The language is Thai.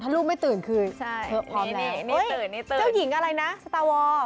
ลูกไม่ตื่นคืนเธอพร้อมแล้วนี่เจ้าหญิงอะไรนะสตาร์วอร์